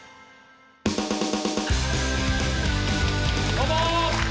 どうも。